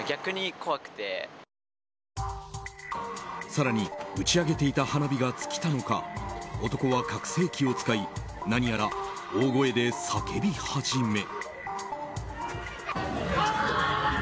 更に打ち上げていた花火が尽きたのか男は拡声器を使い何やら大声で叫び始め。